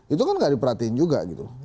itu kan nggak diperhatiin juga gitu